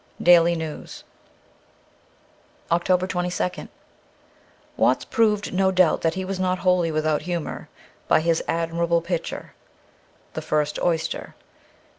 * Daily News.' 327 OCTOBER 22nd WATTS proved no doubt that he was not wholly without humour by this admirable picture ("The First Oyster